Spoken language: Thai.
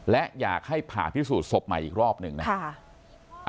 และอยากให้ผ่าพิสูจน์ศพใหม่อีกรอบหนึ่งนะครับ